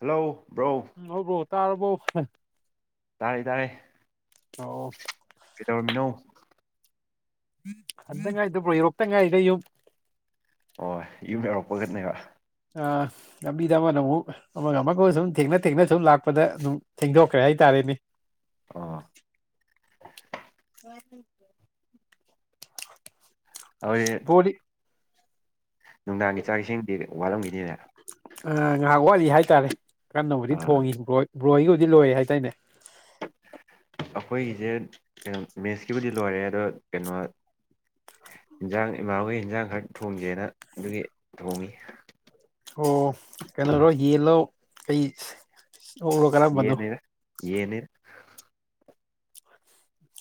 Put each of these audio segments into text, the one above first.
Hello bro hello bro ꯇꯥꯔꯕꯣ ꯇꯥꯔꯦ ꯇꯥꯔꯦ ꯑꯣ ꯀꯩꯗꯧꯔꯝꯃꯤꯅꯣ ꯍꯧꯖꯤꯛꯇ ꯉꯥꯢꯔꯤꯗ ꯕ꯭ꯔꯣ ꯉꯥꯢꯔꯤꯗ ꯌꯨꯝ ꯍꯣꯏ ꯌꯨꯝ ꯌꯧꯔꯛꯄꯒꯅꯦꯕ ꯂꯥꯝꯕꯤꯗ ꯑꯃꯅ ꯑꯃꯨꯛ ꯑꯃꯒ ꯑꯃꯒ ꯁꯨꯝ ꯊꯦꯡꯅ ꯊꯦꯡꯅ ꯁꯨꯝ ꯂꯥꯛꯄꯗ ꯑꯗꯨꯝ ꯊꯦꯡꯗꯣꯛꯈ꯭ꯔꯦ ꯍꯥꯏꯇꯥꯔꯦꯅꯦ ꯑꯣ ꯍ [inaudible] ꯑꯈꯣꯢ ꯕ꯭ꯔꯣꯗꯤ ꯅꯨꯡꯗꯥꯡꯒꯤ ꯆꯥꯛ ꯏꯁꯤꯡꯗꯤ ꯋꯥꯠꯂꯝꯈꯤꯅꯤꯅꯦ ꯑ ꯉꯥꯏꯍꯥꯛ ꯋꯥꯠꯂꯤ ꯍꯥꯏꯇꯥꯔꯦ ꯀꯟꯅꯕꯨꯗꯤ ꯑꯥ ꯊꯣꯡꯉꯦ ꯕ꯭ꯔꯣ ꯍꯣꯏꯒꯤꯕꯨꯗꯤ ꯂꯣꯏꯔꯦ ꯍꯥꯏꯗꯥꯢꯅꯦ ꯑꯩꯈꯣꯏꯒꯤꯁꯦ ꯃꯦꯠꯁꯀꯤꯕꯨꯗꯤ ꯂꯣꯏꯔꯦ ꯑꯗꯣ ꯀꯩꯅꯣ ꯏꯟꯖꯥꯡ ꯏꯃꯥꯟꯅꯕ ꯍꯣꯏ ꯏꯟꯖꯥꯡ ꯈꯔ ꯊꯣꯡꯖꯦꯅ ꯑꯗꯨꯒꯤ ꯊꯣꯡꯉꯤ ꯑꯣ ꯀꯩꯅꯣꯔꯣ ꯌꯦꯟꯂꯣ ꯀꯩ ꯑꯣꯛꯂꯣ ꯀꯔꯝꯕꯅꯣ ꯌꯦꯟꯅꯤꯗ ꯌꯦꯟꯅꯦ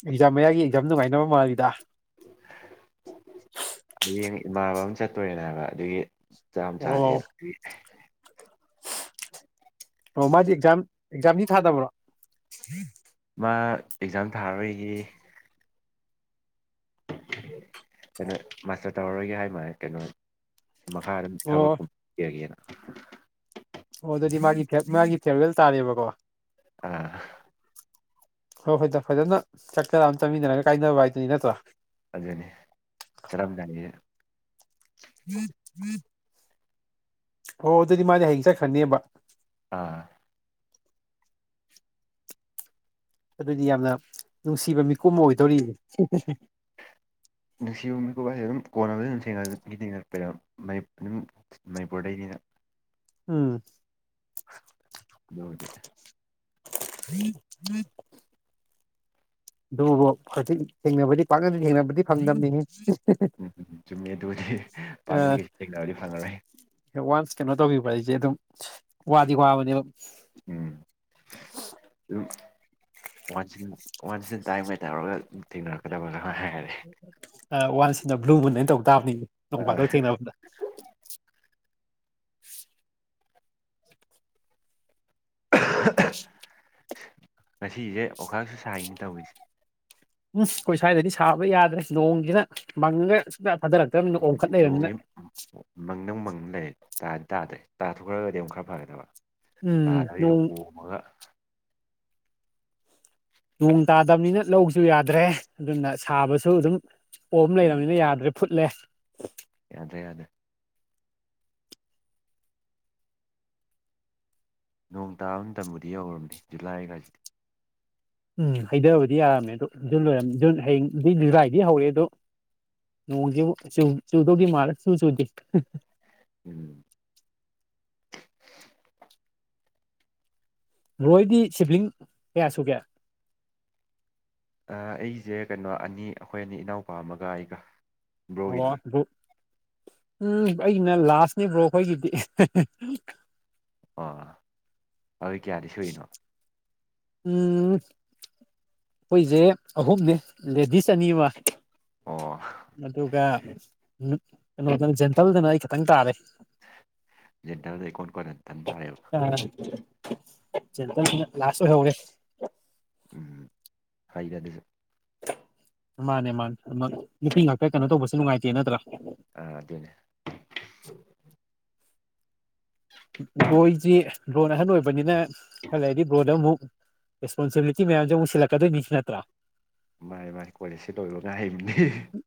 ꯑꯦꯛꯖꯥꯝ ꯃꯌꯥꯒꯤ ꯑꯦꯛꯖꯥꯝ ꯅꯨꯡꯉꯥꯏꯅꯕ ꯃꯥꯜꯂꯤꯗ ꯍꯌꯦꯡ ꯏꯃꯥꯅꯕ ꯑꯃ ꯆꯠꯇꯣꯔꯦꯅꯦ ꯍꯥꯏꯕ ꯑꯗꯨꯒꯤ ꯆꯥꯛ ꯑꯝ ꯑꯣ ꯆꯥꯁꯦꯅ ꯑꯣ ꯃꯥꯗꯤ ꯑꯦꯛꯖꯥꯝ ꯑꯦꯛꯖꯥꯝꯗꯤ ꯊꯥꯗꯕ꯭ꯔꯣ ꯃꯥ ꯑꯦꯛꯖꯥꯝ ꯊꯥꯔꯔꯣꯏꯌꯦ ꯀꯩꯅꯣ ꯃꯥꯁꯇꯔ ꯇꯧꯔꯔꯣꯏꯒꯦ ꯍꯥꯏ ꯃꯥ ꯀꯩꯅꯣ ꯃꯈꯥ ꯑꯗꯨꯝ ꯑꯣ ꯊꯕꯛꯒꯨꯝꯕ ꯊꯤꯔꯒꯦꯅ ꯑꯣ ꯑꯗꯨꯗꯤ ꯃꯥꯒꯤ ꯃꯥꯒꯤ ꯐꯦꯔꯋꯦꯜ ꯇꯥꯔꯦꯕꯀꯣ ꯑꯥ ꯍꯣꯏ ꯍꯣꯏꯗ ꯐꯖꯅ ꯆꯥꯛ ꯆꯔ ꯑꯃ ꯆꯥꯃꯤꯟꯅꯔꯒ ꯀꯥꯏꯅꯕ ꯍꯥꯏꯗꯨꯅꯤ ꯅꯠꯇ꯭ꯔꯣ ꯑꯗꯨꯅꯦ ꯆꯥꯔꯝꯗꯥꯢꯁꯤ ꯎꯝ ꯎꯝ [inaudible] ꯑꯣ ꯑꯗꯨꯗꯤ ꯃꯥꯗꯤ ꯍꯌꯦꯡ ꯆꯠꯈ꯭ꯔꯅꯦꯕ ꯑꯥ ꯑꯗꯨꯗꯤ ꯌꯥꯝꯅ ꯅꯨꯡꯁꯤꯕ ꯃꯤꯀꯨꯞ ꯑꯃ ꯑꯣꯏꯗꯧꯔꯤꯅꯦ ꯅꯨꯡꯁꯤꯕ ꯃꯤꯀꯨꯞ ꯍꯥꯏꯁꯦ ꯑꯗꯨꯝ ꯑꯣꯢꯔꯕꯅꯤꯗ ꯑꯗꯨꯝꯅ ꯃꯤ ꯊꯦꯡꯉꯔꯛꯄꯕꯗ ꯑꯗꯨꯝ ꯃꯅꯤꯄꯨꯔꯗꯩꯅꯤꯅ ꯎꯝ ꯑꯗꯨꯕꯨꯗꯤ ꯎꯝ ꯎꯝ [inaudible] [inaudible] ꯑꯗꯨꯕꯨ ꯍꯧꯖꯤꯛ ꯊꯦꯡꯅꯕꯗꯤ ꯄꯥꯛꯅ ꯊꯦꯡꯅꯕꯗꯤ ꯐꯪꯗꯕꯅꯤꯍꯦ ꯎꯝ ꯎꯝ ꯎꯨꯝ ꯆꯨꯝꯃꯦ ꯑꯗꯨꯕꯨꯗꯤ ꯄꯥꯛꯅꯗꯤ ꯀꯩꯁꯨ ꯊꯦꯡꯅꯕꯗꯤ ꯐꯪꯉꯔꯣꯏ ꯋꯥꯟꯁ ꯀꯩꯅꯣ ꯇꯧꯈꯤꯕ ꯍꯥꯏꯁꯦ ꯑꯗꯨꯝ ꯋꯥꯗꯤ ꯋꯥꯕꯅꯦ ꯑꯗꯨꯝ ꯎꯝ ꯝ ꯋꯥꯟꯁꯤꯟ ꯋꯥꯟ ꯁꯤꯟ ꯇꯥꯏꯕ ꯇꯧꯔꯒ [unintelligible] [unintelligible] [unintelligible] ꯊꯦꯡꯅꯔꯛꯀꯗꯧꯕꯗ ꯉꯥꯢꯔꯦ [unintelligible] [unintelligible] ꯍꯥꯢꯅꯇꯧꯇꯥꯕꯅꯤꯅꯦ ꯅꯣꯡ ꯑ ꯐꯥꯗꯣꯛ ꯊꯦꯡꯅꯕꯗ ꯉꯁꯤꯁꯦ ꯑꯣꯛꯈꯥꯛꯁꯨ ꯁꯥꯏꯅꯦ ꯇꯧꯔꯤꯁꯦ ꯎꯝ ꯑꯩꯈꯣꯏ ꯁ꯭ꯋꯥꯏꯗꯗꯤ ꯁꯥꯕ ꯌꯥꯗ꯭ꯔꯦ ꯅꯣꯡꯁꯤꯅ ꯃꯪꯉꯒ ꯁꯨꯡꯇꯥ ꯔꯥꯗꯔꯛꯇ꯭ꯔꯕꯅꯤꯅ ꯑꯣꯝꯈꯠ ꯂꯩꯔꯕꯅꯤꯅ ꯑꯣ ꯃꯪꯗꯥꯡ ꯃꯪꯕꯅꯦ ꯇꯥꯗꯤ ꯇꯥꯗ꯭ꯔꯦ ꯇꯥꯊꯣꯛꯈ꯭ꯔꯒꯗꯤ ꯑꯃꯨꯛ ꯈꯔ ꯐꯒꯗꯕ ꯎꯝ ꯇꯥꯕꯗꯤ ꯅꯣꯡ ꯑꯗꯨꯝ ꯑꯣꯝꯃꯒ ꯅꯣꯡ ꯇꯥꯗꯝꯅꯤꯅ ꯂꯧꯁꯨ ꯌꯥꯗ꯭ꯔꯦ ꯑꯗꯨꯅ ꯁꯥꯕꯁꯨ ꯑꯗꯨꯝ ꯄꯣꯝ ꯎꯝ ꯂꯩꯔꯕꯅꯤꯅ ꯌꯥꯗ꯭ꯔꯦ ꯐꯨꯠꯂꯦ ꯌꯥꯗ꯭ꯔꯦ ꯌꯥꯗ꯭ꯔꯦ ꯅꯣꯡ ꯇꯥꯕ ꯃꯇꯝꯕꯨꯗꯤ ꯌꯧꯔꯕꯅꯦ ꯖꯨꯂꯥꯏ ꯀꯥꯏꯁꯤꯗꯤ ꯎꯝ ꯍꯩꯊꯕꯨꯗꯤ ꯌꯥꯔꯝꯃꯦ ꯑꯗꯣ ꯖꯨꯟ ꯖꯨꯟ ꯍꯌꯦꯡꯗꯩ ꯖꯨꯂꯥꯏꯗꯤ ꯍꯧꯔꯦ ꯑꯗꯣ ꯅꯣꯡꯁꯤꯕꯨ ꯆꯨꯗꯧꯗꯤ ꯃꯥꯜꯂꯦ ꯆꯨ ꯆꯨꯗꯦ ꯎꯝ ꯕ꯭ꯔꯣ ꯍꯣꯢꯗꯤ ꯁꯤꯝꯕ꯭ꯂꯤꯡ ꯀꯌꯥ ꯁꯨꯒꯦ ꯑꯩꯁꯦ ꯀꯩꯅꯣ ꯑꯅꯤ ꯑꯩꯈꯣꯏ ꯑꯅꯤ ꯏꯅꯥꯎꯅꯨꯄꯥ ꯑꯃꯒ ꯑꯩꯒ ꯕ꯭ꯔꯣꯒꯤꯗꯤ ꯑꯣ ꯎꯝ ꯑꯩꯅ ꯂꯥꯁꯅꯦ ꯕ꯭ꯔꯣ ꯑꯩꯈꯣꯏꯒꯤꯗꯤ ꯑꯣ ꯑꯗꯣ ꯀꯌꯥꯗꯤ ꯁꯨꯏꯅꯣ ꯎꯝ ꯑꯩꯈꯣꯏꯁꯦ ꯑꯍꯨꯝꯅꯦ ꯂꯦꯗꯤꯁ ꯑꯅꯤ ꯑꯃꯒ ꯑꯣ ꯑꯗꯨꯒ ꯀꯩꯅꯣꯗꯅ ꯖꯦꯟꯇꯜꯗꯅ ꯑꯩ ꯈꯤꯇꯪ ꯇꯥꯔꯦ ꯖꯦꯟꯗꯔꯗ ꯏꯀꯣꯟ ꯀꯣꯟꯅ ꯊꯟ ꯇꯥꯔꯦꯕ [unintelligible] ꯆꯦꯟꯇꯥꯜꯁꯤꯅ ꯂꯥꯁ ꯑꯣꯏꯍꯧꯔꯦ ꯎꯝ ꯈꯥꯏꯖꯗꯁꯨ ꯃꯥꯅꯦ ꯃꯥꯅꯦ ꯗꯨꯃꯟ ꯅꯨꯄꯤ ꯉꯥꯛꯇ ꯀꯩꯅꯣ ꯇꯧꯕꯁꯨ ꯅꯨꯡꯉꯥꯏꯇꯦ ꯅꯠꯇ꯭ꯔꯥ ꯑ ꯑꯗꯨꯅꯦ [unintelligible] ꯕ꯭ꯔꯣꯏꯖꯤ ꯕ꯭ꯔꯣꯅ ꯑꯍꯟ ꯑꯣꯏꯕꯅꯤꯅ ꯈꯔ ꯂꯩꯗꯤ ꯕ꯭ꯔꯣꯗ ꯑꯃꯨꯛ ꯔꯦꯁꯄꯣꯟꯁꯤꯕꯤꯂꯤꯇꯤ ꯃꯌꯥꯝꯁꯦ ꯑꯃꯨꯛ ꯁꯤꯜꯂꯛꯀꯗꯣꯏꯅꯤ ꯅꯠꯇ꯭ꯔꯥ ꯃꯥꯏ ꯃꯥꯥꯏ ꯀꯣꯂꯦꯖꯁꯤ ꯂꯣꯏꯕ ꯉꯥꯏꯕꯅꯤ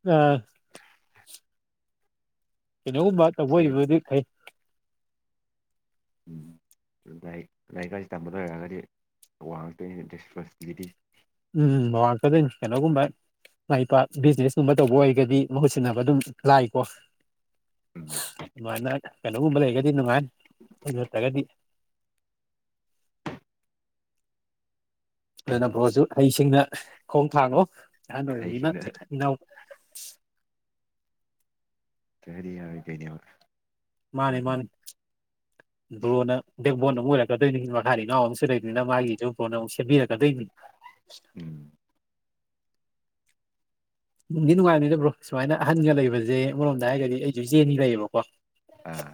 ꯑꯥ ꯀꯩꯅꯣꯒꯨꯝꯕ ꯇꯧꯕꯣꯏ ꯁꯤꯒ ꯍꯩꯕꯗꯨꯗꯤ ꯐꯩ ꯎꯝ ꯗꯥꯥꯏꯔꯤꯛ ꯂꯥꯏꯔꯤꯛ ꯀꯁꯤ ꯇꯝꯕ ꯂꯣꯏꯔꯛꯒꯗꯤ ꯋꯥꯉꯥꯛꯇꯣꯏ ꯔꯦꯁꯄꯣꯟꯁꯤꯕꯤꯂꯤꯇꯤꯁ ꯎꯝ ꯃꯋꯥꯟꯇꯗꯩꯅꯤ ꯀꯩꯅꯣꯒꯨꯝꯕ ꯃꯥꯏ ꯄꯥꯛ ꯕꯤꯖꯤꯅꯦꯁꯀꯨꯝꯕ ꯇꯧꯕ ꯑꯣꯏꯔꯒꯗꯤ ꯃꯍꯨꯠ ꯁꯤꯟꯅꯕ ꯑꯗꯨꯝ ꯂꯥꯏꯀꯣ ꯎꯝ ꯑꯗꯨꯃꯥꯏꯅ ꯀꯩꯅꯣꯒꯨꯝꯕ ꯂꯩꯒꯗꯤ ꯅꯨꯡꯉꯥꯏ ꯌꯠꯇ꯭ꯔꯒꯗꯤ ꯑꯗꯨꯅ ꯕ꯭ꯔꯣꯁꯨ ꯍꯩꯁꯤꯡꯅ ꯈꯣꯡ ꯎꯝ ꯊꯥꯡꯉꯣ ꯏꯍꯥꯟ ꯑꯣꯏꯕꯅꯤꯅ ꯍꯩꯁꯤꯡꯅ ꯏꯅꯥꯎ ꯀꯩ ꯍꯏꯤ ꯌꯔꯣꯏꯗꯣꯏꯅꯦꯕ ꯃꯥꯅꯤ ꯃꯥꯅꯤ ꯕ꯭ꯔꯣꯅ ꯕꯦꯛꯕꯣꯟꯅ ꯑꯃ ꯑꯣꯏꯔꯛꯀꯗꯣꯏꯅꯤ ꯏꯍꯥ ꯏꯅꯥꯎ ꯑꯝꯁꯨ ꯂꯩꯅꯤꯅ ꯃꯥꯒꯤ ꯁꯨꯝ ꯕ꯭ꯔꯣꯟꯅ ꯑꯃꯨꯛ ꯁꯦꯝꯕꯤꯔꯛꯀꯗꯣꯏꯅꯤ ꯎꯝ ꯅꯨꯡꯗꯤ ꯅꯨꯡꯉꯥꯏꯔꯣꯏꯗꯕ꯭ꯔꯣ ꯁꯨꯃꯥꯏꯅ ꯑꯍꯟꯒ ꯂꯩꯕꯁꯦ ꯑꯃꯔꯣꯝꯗ ꯍꯥꯏꯔꯒꯗꯤ ꯑꯩꯁꯨ ꯆꯦꯅꯤ ꯂꯩꯌꯦꯕꯀꯣ ꯑꯥ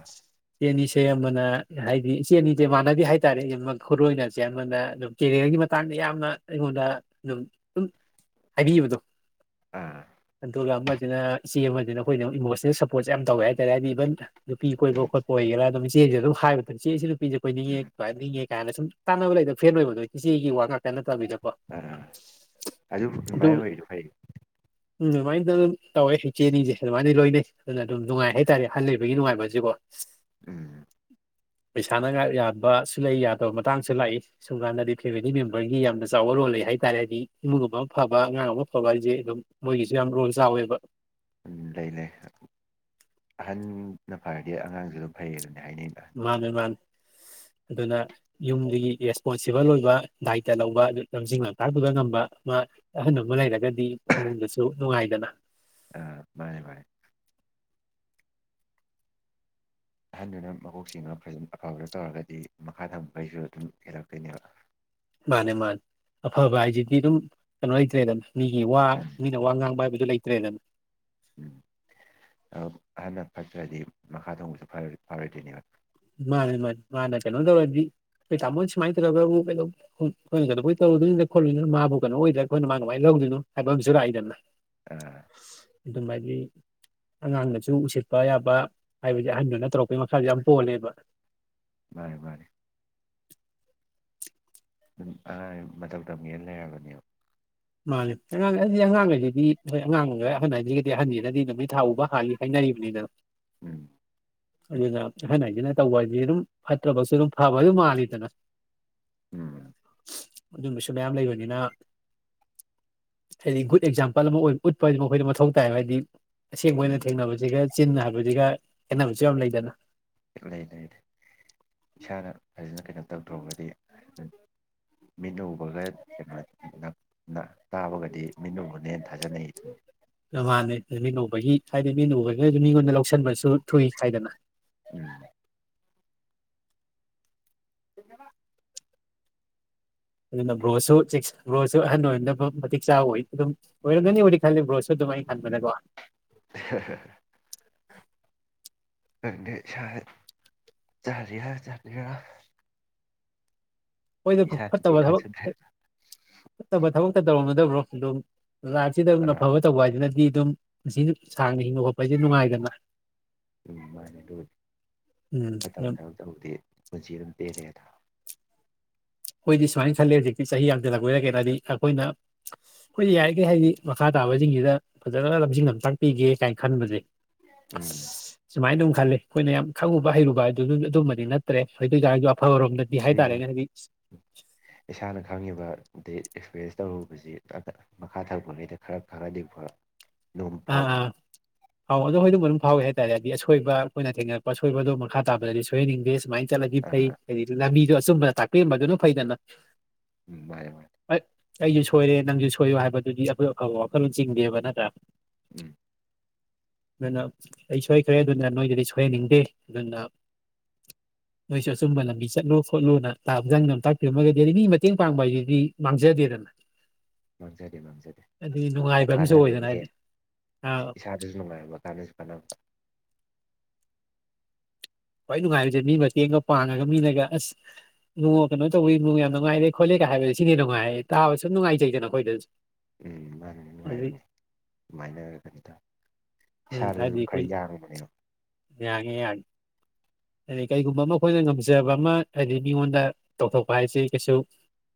ꯏꯆꯦꯅꯤꯁꯦ ꯑꯃꯅ ꯍꯥꯏꯗꯤ ꯏꯆꯦꯅꯤꯁꯦ ꯃꯥꯟꯅꯗꯦ ꯍꯥꯏꯇꯥꯔꯦ ꯈꯨꯔꯣꯏꯅꯁꯦ ꯑꯃꯅ ꯑꯗꯨꯝ ꯀꯦꯔꯤꯌꯔꯒꯤ ꯃꯇꯥꯡꯗ ꯌꯥꯝꯅ ꯑꯩꯉꯣꯟꯗ ꯑꯗꯨꯝ ꯗꯨꯝ ꯍꯥꯏꯕꯤꯕꯗꯣ ꯑꯥ ꯑꯗꯨꯒ ꯑꯃꯁꯤꯅ ꯏꯆꯦ ꯑꯃꯅ ꯑꯩꯈꯣꯏꯅ ꯏꯃꯣꯁꯅꯦꯜ ꯁꯞ ꯄꯣꯠꯁꯦ ꯌꯥꯝ ꯇꯧꯋꯦ ꯍꯥꯏꯇꯥꯔ ꯍꯥꯏꯗꯤ ꯏꯕꯟ ꯅꯨꯄꯤ ꯀꯣꯏꯕ ꯈꯣꯠꯄ ꯑꯣꯏꯒꯦꯔꯥ ꯑꯗꯨꯝ ꯆꯦꯁꯥ ꯗꯨꯝ ꯍꯥꯏꯕ ꯃꯇꯝ ꯆꯦꯁꯨ ꯅꯨꯄꯤꯁꯦ ꯀꯣꯏꯅꯤꯡꯉꯦ ꯎꯝ [unintelligible] ꯅꯤꯡꯉꯦ ꯀꯥꯏꯅ ꯁꯨꯝ ꯇꯥꯟꯅꯕ ꯂꯩꯗꯅ ꯐꯔꯦꯟ ꯑꯣꯏꯕꯗꯨ ꯏꯆꯦꯒꯤ ꯋꯥ ꯉꯥꯛ ꯇ ꯅꯠꯇꯕꯤꯗꯀꯣ ꯑꯥ ꯑꯗꯨ [unintelligible] ꯎꯝ ꯑꯗꯨꯃꯥꯏꯅ ꯑꯗꯨꯝ ꯇꯧꯋꯦ ꯏꯆꯦꯅꯤꯁꯦ ꯑꯗꯨꯃꯥꯏꯅ ꯂꯣꯏꯅꯩ ꯑꯗꯨꯅ ꯑꯗꯨꯝ ꯅꯨꯡꯉꯥꯏ ꯍꯥꯏꯇꯥꯔꯦ ꯑꯍꯜ ꯂꯩꯕꯒꯤ ꯅꯨꯡꯉꯥꯏꯕꯁꯤꯀꯣ ꯎꯝ ꯄꯩꯁꯥꯅꯒꯥ ꯌꯥꯕꯁꯨ ꯂꯩ ꯌꯥꯗꯕ ꯃꯇꯥꯡꯁꯨ ꯂꯥꯛꯏ ꯁꯨꯝ ꯀꯥꯟꯗꯗꯤ ꯐꯦꯃꯤꯂꯤ ꯃꯦꯝꯕꯔꯒꯤ ꯌꯥꯝꯅ ꯆꯥꯎꯕ ꯔꯣꯜ ꯂꯩ ꯍꯥꯏꯇꯥꯔꯦ ꯍꯥꯏꯗꯤ ꯏꯃꯨꯡꯒꯨꯝ ꯑꯃ ꯐꯕ ꯑꯉꯥꯡ ꯑꯃ ꯐꯕ ꯍꯥꯏ ꯖꯦ ꯑꯗꯨꯝ ꯃꯣꯏꯒꯤꯁꯨ ꯌꯥꯝ ꯔꯣꯜ ꯆꯥꯎꯋꯦꯕ ꯎꯝ ꯂꯩ ꯂꯩ ꯑꯍꯟꯅ ꯐꯔꯗꯤ ꯑꯉꯥꯡꯁꯨ ꯑꯗꯨꯝ ꯐꯩꯌꯦꯅ ꯍꯥꯏꯅꯩꯗ ꯃꯥꯅꯦ ꯃꯥꯅꯦ ꯑꯗꯨꯅ ꯌꯨꯝꯗꯨꯒꯤ ꯔꯦꯁꯄꯣꯟꯁꯤꯕꯜ ꯑꯣꯏꯕ ꯗꯥꯏꯇ ꯂꯧꯕ ꯑꯗꯨ ꯂꯝꯖꯤꯡ ꯂꯝꯇꯥꯛꯄꯤꯕ ꯉꯝꯕ ꯑꯃ ꯑꯍꯟ ꯑꯃ ꯂꯩꯔꯒ ꯗꯤ ꯏꯃꯨꯡꯗꯁꯨ ꯅꯨꯡꯉꯥꯏꯗꯅ ꯑꯥ ꯃꯥꯅꯦ ꯃꯥꯅꯦ ꯑꯍꯟꯗꯨꯅ ꯃꯀꯣꯛꯆꯤꯡꯉ ꯐꯖꯟ ꯑꯐꯕꯗ ꯇꯧꯔꯒꯗꯤ ꯃꯈꯥ ꯊꯥꯕꯈꯩꯁꯨ ꯑꯗꯨꯝ ꯍꯦꯜꯂꯛꯇꯣꯏꯅꯦꯕ ꯃꯥꯅꯦ ꯃꯥꯅꯦ ꯑꯐꯕ ꯍꯥꯏꯁꯤꯗꯤ ꯑꯗꯨꯝ ꯀꯩꯅꯣ ꯂꯩꯇ꯭ꯔꯦꯗꯅ ꯃꯤꯒꯤ ꯋꯥ ꯎꯝ ꯃꯤꯅ ꯋꯥ ꯉꯥꯡꯕ ꯍꯥꯏꯕꯗꯨ ꯂꯩꯇ꯭ꯔꯦꯗꯟ ꯎꯝ ꯑꯧ ꯑꯍꯟꯅ ꯐꯠꯇ꯭ꯔꯗꯤ ꯃꯈꯥ ꯊꯪꯕꯁꯨ ꯐꯔꯣꯏ ꯐꯔꯣꯏꯗꯣꯏꯅꯦꯕ ꯃꯥꯅꯦ ꯃꯥꯅꯤ ꯃꯥ ꯅ ꯀꯩꯅꯣ ꯇꯧꯔꯗꯤ ꯈꯣꯏ ꯇꯥꯃꯣ ꯁꯨꯃꯥꯏꯟ ꯇꯧꯔꯒꯕꯨ ꯀꯩꯗꯧ ꯍꯣꯏ ꯈꯣꯏꯅ ꯀꯩꯗꯧꯕꯩ ꯇꯧꯔꯗꯨꯏꯅꯣꯗ ꯈꯣꯠꯂꯨꯗꯨꯏꯅꯣ ꯃꯥꯕꯨ ꯀꯩꯅꯣ ꯑꯣꯏꯗ꯭ꯔꯥ ꯈꯣꯏꯅ ꯃꯥ ꯀꯃꯥꯏꯟ ꯂꯧꯗꯣꯏꯅꯣ ꯍꯥꯏꯕ ꯑꯃꯁꯨ ꯂꯥꯛꯏꯗꯅ ꯑ ꯗꯨ ꯃꯥꯥꯏꯗꯤ ꯑꯉꯥꯡꯅꯁꯨ ꯎꯁꯤꯠꯄ ꯌꯥꯕ ꯍꯥꯏꯕꯗꯤ ꯑꯍꯟꯗꯨꯅ ꯇꯧꯔꯛꯄꯒꯤ ꯃꯈꯥꯖꯨ ꯌꯥꯝ ꯄꯣꯜꯂꯦꯕ ꯃꯥꯅꯦ ꯃꯥꯅꯦ [unintelligible] ꯃꯇꯧ ꯇꯝꯒꯦꯅ ꯂꯩꯔꯕꯅꯦꯕ ꯃꯥꯅꯦ ꯑꯉꯥꯡ ꯑꯩꯗꯤ ꯑꯉꯥꯡ ꯂꯩꯔꯗꯤ ꯍꯣꯏ ꯑꯉꯥꯡ ꯍꯥꯏꯗꯤ ꯑꯍꯟ ꯍꯥꯏꯖꯤꯒꯗꯤ ꯑꯍꯟꯖꯤꯅꯗꯤ ꯅꯨꯃꯤꯠ ꯊꯥ ꯎꯕ ꯍꯥꯜꯂꯤ ꯍꯥꯏꯅꯔꯤꯕꯅꯤꯗꯣ ꯎꯝ ꯑꯗꯨꯅ ꯑꯍꯟ ꯍꯥꯏꯖꯤꯅ ꯇꯧꯕ ꯍꯥꯏꯖꯤ ꯑꯗꯨꯝ ꯐꯠꯇ꯭ꯔꯕꯁꯨ ꯑꯗꯨꯝ ꯐꯕ ꯑꯗꯨꯝ ꯃꯥꯜꯂꯤꯗꯅ ꯎꯝ ꯑꯗꯨꯝꯕꯁꯨ ꯃꯌꯥꯝ ꯂꯩꯕꯅꯤꯅ ꯍꯥꯏꯗꯤ ꯒꯨꯗ ꯑꯦꯛꯖꯥꯝꯄꯜ ꯑꯃ ꯑꯣꯏ ꯎꯠꯄ ꯍꯥꯏꯗꯤ ꯃꯈꯣꯏꯗ ꯃꯊꯧ ꯇꯥꯏꯕ ꯍꯥꯏꯗꯤ ꯑꯁꯦꯡꯕ ꯎꯝ ꯑꯣꯏꯅ ꯊꯦꯡꯅꯕꯁꯤꯒ ꯆꯤꯟꯅ ꯍꯥꯏꯕꯁꯤꯒ ꯈꯦꯠꯅꯕꯁꯨ ꯌꯥꯝ ꯂꯩꯗꯅ ꯑꯩꯈꯣꯏ ꯂꯩ ꯂꯩ ꯏꯁꯥꯅ ꯐꯖꯅ ꯀꯩꯅꯣ ꯇꯧꯊꯣꯍꯧꯔꯗꯤ ꯃꯤꯠꯅ ꯎꯕꯒ [unintelligible] ꯅ ꯇꯥꯕꯒꯗꯤ ꯃꯤꯠꯅ ꯎꯕꯅ ꯍꯦꯟꯅ ꯊꯥꯖꯅꯩ ꯗꯨꯅꯤ [unintelligible] ꯃꯤꯠꯅ ꯎꯕꯒꯤ ꯍꯥꯏꯗꯤ ꯃꯤꯠꯅ ꯎꯕꯒꯁꯨ ꯃꯤꯉꯣꯟꯗ ꯂꯧꯁꯟꯕꯁꯨ ꯊꯨꯏ ꯍꯥꯏꯗꯅ ꯎꯝ [unintelligible] ꯑꯗꯨꯅ ꯕ꯭ꯔꯣꯁꯨ ꯆꯦꯛꯁ ꯕ꯭ꯔꯣꯁꯨ ꯑꯍꯟ ꯑꯣꯏꯅꯕ ꯃꯇꯤꯛ ꯆꯥꯕ ꯑꯣꯏ ꯑꯗꯨꯝ ꯑꯣꯏꯔꯝꯒꯅꯤꯕꯨꯗꯤ ꯈꯜꯂꯤ ꯕ꯭ꯔꯣꯁꯨ ꯑꯗꯨꯝ ꯑꯩ ꯈꯟꯕꯗꯀꯣ [inaudible] [unintelligible] ꯍꯣꯏꯗ ꯏꯁꯥꯅꯗꯤ ꯐꯠꯇꯕ ꯊꯕꯛ ꯈꯪꯁꯟꯗ꯭ꯔꯦ ꯐꯠꯇꯕ ꯊꯕꯛꯇ ꯇꯧꯔꯨꯅꯨꯗ ꯕ꯭ꯔꯣ ꯑꯗꯨꯝ ꯂꯥꯏꯐꯁꯤꯗ ꯑꯥ ꯑꯐꯕ ꯇꯧꯕ ꯍꯥꯏꯁꯤꯅꯗꯤ ꯑꯗꯨꯝ ꯄꯨꯟꯁꯤꯗꯤ ꯁꯥꯡꯅ ꯍꯤꯡꯉꯨꯑꯣ ꯑꯩꯩꯗꯤ ꯅꯨꯡꯉꯥꯏꯗꯅ ꯎꯝ ꯃꯥꯅꯦ ꯎꯝ ꯌꯥꯝ ꯇꯧꯗꯦ ꯄꯨꯟꯁꯤ ꯑꯗꯨꯝ [unintelligible] ꯑꯩꯈꯣꯏꯗꯤ ꯁꯨꯃꯥꯏꯅ ꯈꯜꯂꯦ ꯍꯧꯖꯤꯛꯇꯤ ꯆꯍꯤ ꯌꯥꯝꯡꯊꯜꯂꯛꯄꯩꯔ ꯀꯦꯅꯣ ꯍꯥꯏꯗꯤ ꯑꯩꯈꯣꯏꯅ ꯑꯩꯈꯣꯏꯗꯤ ꯌꯥꯔꯤꯒꯩ ꯍꯥꯏꯗꯤ ꯃꯈꯥ ꯇꯥꯕꯖꯤꯡꯖꯤꯗ ꯐꯖꯅ ꯂꯝꯖꯤꯡ ꯂꯝꯊꯥꯛ ꯄꯤꯒꯦ ꯀꯥꯏꯅ ꯈꯟꯕꯖꯦ ꯎꯝ ꯁꯨꯃꯥꯏ ꯗꯨꯝ ꯈꯜꯂꯦ ꯑꯈꯣꯏꯅ ꯌꯥꯝ ꯈꯪꯉꯨꯕ ꯍꯩꯔꯨꯕ ꯍꯥꯏꯗꯨ ꯑꯗꯨꯝꯃꯗꯤ ꯅꯠꯇ꯭ꯔꯦ ꯑꯗꯨꯏꯇꯥꯥꯔꯖꯨ ꯑꯐꯕꯔꯣꯝꯗꯗꯤ ꯑꯗꯨꯏꯁꯨ ꯍꯥꯏꯇꯥꯔꯅꯦ ꯍꯥꯏꯗꯤ ꯏꯁꯥꯅ ꯈꯪꯉꯤꯕꯗꯤ ꯑꯦꯛꯁꯄꯔ꯭ꯌꯦꯟꯁ ꯇꯧꯔꯨꯕꯁꯤ ꯃꯈꯥ ꯊꯥꯔꯛꯄꯉꯩ ꯈꯔ ꯈꯪꯉꯗꯤ ꯐ ꯑꯥ ꯑꯥ ꯑꯥꯎ ꯑꯗꯣ [unintelligible] ꯐꯥꯎꯋꯤ ꯍꯥꯏꯇꯥꯔꯦ ꯍꯥꯏꯗꯤ ꯑꯁꯣꯏꯕ ꯑꯈꯣꯏꯅ ꯊꯦꯡꯅꯔꯛ ꯑꯁꯣꯏꯕꯗꯣ ꯃꯈꯥ ꯇꯥꯕꯗꯗꯤ ꯁꯣꯏꯍꯟꯅꯤꯡꯗꯦ ꯁꯨꯃꯥꯏꯅ ꯆꯠꯂꯒꯤ ꯐꯩ ꯑꯥ [unintelligible] ꯂꯝꯕꯤꯗꯣ ꯑꯆꯨꯝꯕꯗ ꯇꯥꯛꯄꯤꯔꯝꯕꯗꯨꯅ ꯐꯩꯗꯅ ꯎꯝ ꯃꯥꯅꯦ ꯃꯥꯅꯦ ꯑꯩꯖꯨ ꯁꯣꯏꯔꯦ ꯅꯪꯖꯨ ꯁꯣꯏꯌꯣ ꯍꯥꯏꯕꯗꯨꯗꯤ ꯑꯩꯈꯣꯏ ꯑꯐꯕ ꯋꯥꯈꯜꯂꯣꯟ ꯆꯤꯡꯗꯦꯕ ꯅꯠꯇ꯭ꯔꯥ ꯎꯝ ꯑꯗꯨꯅ ꯑꯩ ꯁꯣꯏꯈ꯭ꯔꯦ ꯑꯗꯨꯅ ꯅꯣꯏꯗꯗꯤ ꯁꯣꯏꯍꯟꯅꯤꯡꯗꯦ ꯑꯗꯨꯅ [inaudible] ꯅꯣꯏꯁꯨ ꯑꯆꯨꯝꯕ ꯂꯝꯕꯤ ꯆꯠꯂꯨ ꯈꯣꯠꯂꯨꯅ [unintelligible] ꯃꯤ ꯃꯇꯦꯡ ꯄꯥꯡꯕ ꯍꯥꯏꯖꯤꯗꯤ ꯃꯥꯡꯖꯗꯦꯗꯅ ꯃꯥꯡꯖꯗꯦ ꯃꯥꯡꯖꯗꯦ ꯑꯗꯨꯗꯤ ꯅꯨꯡꯉꯥꯏꯕ ꯑꯃꯁꯨ ꯑꯣꯏꯗꯅ ꯀꯥꯟꯅꯗꯨꯏꯅꯤ ꯍꯥꯏꯗꯤ ꯍꯦꯟꯅ ꯑꯥ ꯏꯁꯥꯗꯁꯨ ꯅꯨꯡꯉꯥꯏꯕ ꯀꯥꯟꯅꯁꯨ ꯀꯥꯅꯕ ꯈ꯭ꯋꯥꯏ ꯅꯨꯡꯉꯥꯏꯔꯤꯖꯦ ꯃꯤ ꯃꯇꯦꯡꯒ ꯄꯥꯡꯉꯒ ꯃꯤꯅꯒ ꯑꯁ ꯏꯕꯨꯡꯉꯣ ꯀꯩꯅꯣ ꯇꯧꯋꯤ ꯌꯥꯝ ꯅꯨꯡꯉꯥꯏꯔꯦ ꯈꯣꯠꯂꯦꯒ ꯍꯥꯏꯕꯖꯦ ꯁꯤꯅ ꯍꯦꯟꯅ ꯅꯨꯡꯉꯥꯏꯌꯦ ꯇꯥꯕ ꯁꯨꯝ ꯅꯨꯡꯉꯥꯏꯖꯩꯗꯅ ꯑꯈꯣꯏꯗ ꯎꯝ ꯃꯥꯅꯤ ꯅꯨꯡꯉꯥꯏꯕꯅꯤ ꯑꯗꯨꯃꯥꯏꯅ [unintelligible] ꯎꯝ ꯏꯁꯥꯗꯁꯨ ꯍꯥꯏꯗꯤ ꯑꯗꯨꯝ ꯈꯔ ꯑꯩꯈꯣꯏ ꯌꯥꯡꯕꯅꯦꯕ ꯌꯥꯡꯉꯦ ꯌꯥꯡꯉꯦ ꯍꯥꯏꯗꯤ ꯀꯩꯒꯨꯝꯕ ꯑꯃ ꯑꯩꯈꯣꯏꯅ ꯉꯝꯖꯕ ꯑꯃ ꯍꯥꯏꯗꯤ ꯃꯤꯉꯣꯟꯗ ꯇꯧꯊꯣꯛꯄ ꯍꯥꯏꯁꯤ ꯀꯩꯁꯨ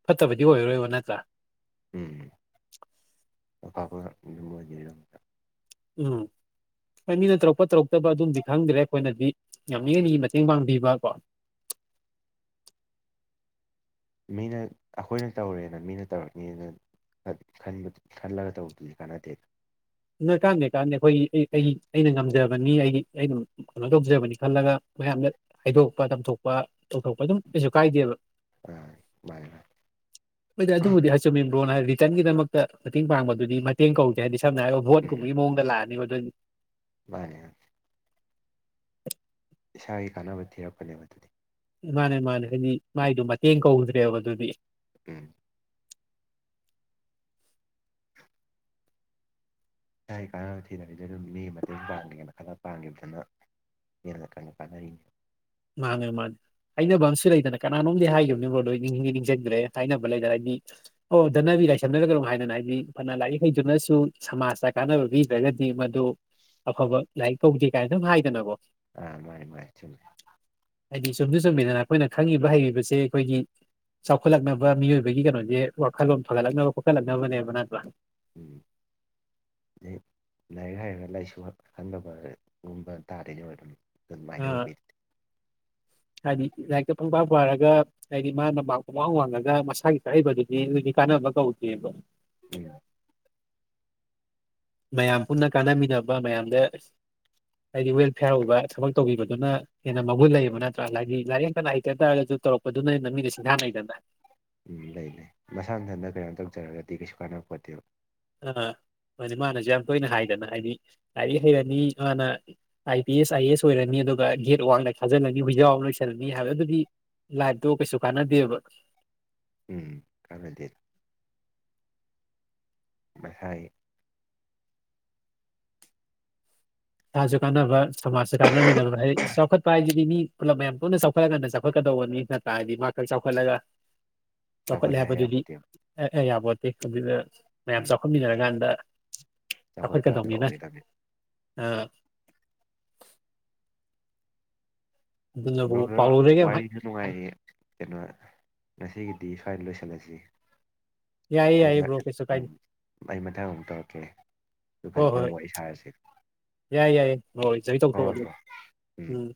ꯐꯠꯇꯕꯗꯤ ꯑꯣꯏꯔꯔꯣꯏꯕ ꯅꯠꯇ꯭ꯔꯥ ꯎꯝ [unintelligible] ꯎꯝ ꯍꯣꯏ ꯃꯤꯅ ꯇꯧꯔꯛꯄ ꯇꯧꯔꯛꯇꯕ ꯑꯗꯨꯝꯗꯤ ꯈꯪꯗ꯭ꯔꯦ ꯑꯩꯈꯣꯏꯅꯗꯤ ꯉꯝꯃꯤꯉꯩ ꯃꯤꯒꯤ ꯃꯇꯦꯡ ꯄꯥꯡꯕꯤꯕꯀꯣ ꯃꯤꯅ ꯑꯈꯣꯏꯅ ꯇꯧꯔꯦꯅ ꯃꯤꯅ ꯇꯧꯔꯛꯅꯤꯅ ꯈꯟꯕꯗꯨ ꯈꯜꯂꯒ ꯇꯧꯕꯗꯨꯗꯤ ꯀꯥꯟꯅꯗꯦ ꯀꯥꯟꯗꯦ ꯀꯥꯟꯗꯦ ꯈꯣꯏꯒꯤ ꯑꯩꯒꯤ ꯎꯝ ꯑꯩꯅ ꯉꯝꯖꯕꯅꯤ ꯑꯩꯒꯤ ꯑꯩꯅ ꯀꯩꯅꯣ ꯇꯧꯖꯕꯅꯤ ꯈꯜꯂꯒ ꯃꯌꯥꯝꯗ ꯍꯥꯏꯗꯣꯛꯄ ꯇꯝꯊꯣꯛꯄ ꯇꯧꯊꯣꯛꯄ ꯑꯗꯨꯝ ꯀꯩꯁꯨ ꯀꯥꯏꯗꯦꯕ ꯑꯥ ꯃꯥꯅꯦ ꯃꯥꯅꯦ ꯍꯣꯏꯗ ꯑꯗꯨꯕꯨꯗꯤ [unintelligible] ꯀ꯭ꯔꯣꯅ ꯍꯥꯏ ꯔꯤꯇꯔꯟꯒꯤꯗꯃꯛꯇ ꯃꯇꯦꯡ ꯄꯥꯡꯕꯗꯨꯗꯤ ꯃꯇꯦꯡ ꯀꯧꯗꯦ ꯍꯥꯏꯗꯤ ꯁꯝꯅ ꯍꯥꯏꯔꯕ ꯎꯝ ꯚꯣꯠꯀꯨꯝꯕꯒꯤ ꯃꯑꯣꯡꯗ ꯂꯥꯛꯑꯅꯤꯕ ꯑꯗꯣꯏ ꯃꯥꯅꯦ ꯏꯁꯥꯒꯤ ꯀꯥꯟꯅꯕ ꯊꯤꯔꯛꯄꯅꯦꯕ ꯑꯗꯨꯗꯤ ꯃꯥꯅꯦ ꯃꯥꯅꯦ ꯍꯥꯏꯗꯤ ꯃꯥꯏꯗꯣ ꯃꯇꯦꯡ ꯀꯧꯗ꯭ꯔꯦꯕ ꯑꯗꯨꯗꯤ ꯎꯝ ꯏꯁꯥꯏꯒꯤ ꯀꯥꯟꯅꯕ ꯊꯤꯗꯕꯤꯗ ꯑꯗꯨ ꯃꯤꯒꯤ ꯃꯇꯦꯡ ꯄꯥꯡꯒꯦꯅ ꯈꯜꯂ ꯄꯥꯡꯒꯤꯕꯗꯨꯅ ꯍꯦꯟꯅ [unintelligible] ꯀꯥꯟꯅꯔꯤꯅꯤ ꯃꯥꯅꯦ ꯃꯥꯅꯦ ꯍꯥꯏꯅꯕꯝꯁꯨ ꯂꯩꯗꯅ ꯀꯅꯥꯅꯣꯝꯗꯤ ꯍꯥꯏꯒꯤꯝꯅꯤ ꯕ꯭ꯔꯣ ꯗꯣ ꯑꯩ ꯅꯤꯡꯗꯤ ꯅꯤꯡꯖꯪꯗ꯭ꯔꯦ ꯍꯥꯏꯅꯕ ꯂꯩꯗꯅ ꯍꯥꯏꯗꯤ ꯑꯣ ꯙꯅꯕꯤ ꯂꯥꯏꯁꯝꯅꯔꯒ ꯀꯅꯣꯝ ꯍꯥꯏꯗꯅ ꯍꯥꯏꯗꯤ ꯐꯅ ꯂꯥꯏꯔꯤꯛ ꯍꯩꯗꯨꯅꯁꯨ ꯁꯃꯥꯖꯇ ꯀꯥꯟꯅꯕ ꯄꯤ ꯗ꯭ꯔꯒꯗꯤ ꯃꯗꯨ ꯑꯐꯕ ꯂꯥꯏꯔꯤꯛ ꯀꯧꯗꯦ ꯀꯥꯏꯅ ꯑꯗꯨꯝ ꯍꯥꯏꯗꯅꯀꯣ ꯑ ꯃꯥꯅꯤ ꯃꯥꯅꯤ ꯆꯨꯃꯤ꯫ ꯍꯥꯏꯗꯤ ꯆꯨꯝꯗꯤ ꯆꯨꯝꯃꯤꯗꯅ ꯑꯈꯣꯏꯅ ꯈꯪꯉꯤꯕ ꯍꯩꯔꯤꯕꯁꯦ ꯑꯈꯣꯏꯒꯤ ꯆꯥꯎꯈꯠꯂꯛꯅꯕ ꯃꯤꯑꯣꯏꯕꯒꯤ ꯀꯩꯅꯣꯖꯦ ꯋꯥꯈꯜꯂꯣꯟ ꯐꯒꯠꯂꯛꯅꯕ ꯈꯣꯠꯀꯠꯂꯛꯅꯕꯅꯦꯕ ꯅꯠꯇ꯭ꯔꯥ ꯎꯝ ꯑꯗꯩ ꯂꯥꯏꯔꯤꯛ ꯍꯩꯔꯒ ꯂꯥꯏꯁꯨ ꯈꯪꯗꯕꯒꯨꯝꯕ [unintelligible] ꯑꯥ [inaudible] ꯍꯥꯏꯗꯤ ꯂꯥꯏꯔꯤꯛꯇ ꯄꯨꯡꯄꯥ ꯄꯥꯔꯒ ꯍꯥꯏꯗꯤ ꯃꯥꯅ ꯃꯥꯛ ꯄꯨꯡꯋꯥꯡ ꯋꯥꯡꯉꯒ ꯃꯁꯥꯒꯤ [unintelligible] ꯑꯗꯨꯗꯤ ꯀꯥꯟꯅꯕ ꯀꯧꯗꯦꯕ ꯎꯝ ꯃꯌꯥꯝ ꯄꯨꯟꯅ ꯀꯥꯟꯅꯃꯤꯟꯅꯕ ꯃꯌꯥꯝꯗ ꯍꯥꯏꯗꯤ ꯋꯦꯜꯐꯤꯌꯥꯔ ꯑꯣꯕ ꯊꯕꯛ ꯇꯧꯕꯤꯕꯗꯨꯅ ꯍꯦꯟꯅ ꯃꯒꯨꯟ ꯂꯩꯌꯦꯕ ꯅꯠꯇ꯭ꯔꯥ ꯍꯥꯏꯗꯤ ꯂꯥꯏꯔꯤꯛ ꯐꯅ ꯍꯩꯇ ꯇꯥꯔꯒꯁꯨ ꯇꯧꯛꯄꯗꯨꯅ ꯍꯦꯟꯅ ꯃꯤꯅ ꯁꯤꯡꯊꯥꯟꯅꯩꯗꯅ ꯎꯝ ꯂꯩ ꯂꯩ ꯃꯁꯥ ꯃꯊꯟꯇ ꯀꯩꯅꯣꯝ ꯇꯧꯖꯔꯒꯗꯤ ꯀꯩꯁꯨ ꯀꯥꯟꯅ ꯄꯣꯠꯇꯦꯕ ꯑꯥ ꯑꯗꯨ ꯃꯥꯅꯖꯨ ꯌꯥꯝ ꯇꯣꯏꯅ ꯍꯥꯏꯗꯅ ꯍꯥꯏꯗꯤ ꯂꯥꯏꯔꯤꯛ ꯍꯩꯔꯅꯤ ꯃꯥꯅ ꯑꯥꯏ ꯄꯤ ꯑꯦꯁ ꯑꯥꯏ ꯑꯦꯁ ꯑꯣꯏꯔꯅꯤ ꯑꯗꯨꯒ ꯒꯦꯠ ꯋꯥꯡꯗ ꯈꯥꯖꯤꯜꯂꯅꯤ ꯍꯨꯏꯖꯥꯎ ꯑꯃ ꯂꯣꯏꯁꯜꯂꯅꯤ ꯍꯥꯏꯕ ꯑꯗꯨꯗꯤ ꯂꯥꯏꯞꯇꯣ ꯀꯩꯁꯨ ꯀꯥꯟꯅꯗꯦꯕ ꯎꯝ ꯀꯥꯟꯅꯗꯦ ꯃꯁꯥꯏ ꯏꯁꯥꯖꯨ ꯀꯥꯟꯅꯕ ꯁꯃꯥꯖꯁꯨ ꯀꯥꯟꯅꯃꯤꯟꯅꯕ ꯍꯥꯏ ꯆꯥꯎꯈꯠ ꯀꯥꯏꯖꯤꯗꯤ ꯃꯤ ꯄꯨꯂꯞ ꯃꯌꯥꯝ ꯄꯨꯟꯅ ꯆꯥꯎꯈꯠꯂꯒꯥꯟꯗ ꯆꯥꯎꯈꯠꯀꯗꯧꯕꯅꯤ ꯅꯠꯇ꯭ꯔꯥ ꯃꯥ ꯈꯛ ꯆꯥꯎꯈꯠꯂꯒ ꯆꯥꯎꯈꯠꯂꯦ ꯍꯥꯏ ꯍꯥꯏꯕꯗꯨꯗꯤ ꯌꯥꯄꯣꯠꯇꯦꯕ ꯑ ꯑꯌꯥꯕꯣꯠꯇꯦ ꯑꯗꯨꯗ ꯃꯌꯥꯝ ꯆꯥꯎꯈꯠꯃꯤꯟꯅꯔꯀꯥꯟꯗ ꯆꯥꯎꯈꯠꯄꯗ ꯍꯥꯏꯗꯣ ꯑꯣꯏꯒꯗꯝꯅꯤ ꯑ ꯑꯗꯨꯅꯕꯨ ꯕ꯭ꯔꯣ ꯑꯗꯣ ꯄꯥꯎꯔꯧꯗꯒꯤ ꯌꯥꯝ ꯍꯥꯏ ꯋꯥꯔꯤꯖꯨ ꯍꯥꯏ- ꯅꯨꯡꯉꯥꯏꯤ ꯀꯩꯅꯣ ꯉꯁꯤꯒꯤꯗꯤ ꯁ꯭ꯃꯋꯥꯏ ꯂꯣꯏꯁꯜꯂꯖꯤ ꯌꯥꯏꯌꯦ ꯑꯩ ꯌꯥꯏꯌꯦ ꯃꯥ ꯕ꯭ꯔꯣ ꯀꯩꯁꯨ ꯀꯥꯏꯗꯦ ꯎꯝ ꯑꯩ ꯃꯊꯪ ꯑꯃꯨꯛ ꯇꯧꯔꯛꯀꯦ ꯗꯨ ꯐꯖꯅ ꯋꯔꯤ ꯁꯥꯔꯁꯦ ꯌꯥꯏ ꯌꯥꯏ ꯍꯣꯏ ꯆꯕꯤ ꯇꯧꯊꯣꯛꯑꯣ ꯍꯣꯏ ꯑꯗꯨꯝ ꯕ꯭ꯔꯣ ꯎꯝ